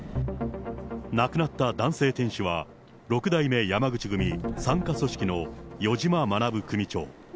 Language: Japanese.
亡くなった男性店主は、６代目山口組傘下組織の余嶋学組長。